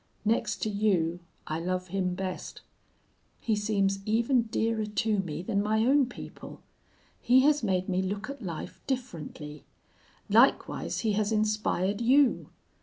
Next to you I love him best. He seems even dearer to me than my own people. He has made me look at life differently. Likewise he has inspired you.